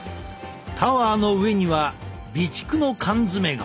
タワーの上には備蓄の缶詰が。